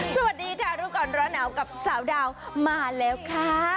สวัสดีค่ะรู้ก่อนร้อนหนาวกับสาวดาวมาแล้วค่ะ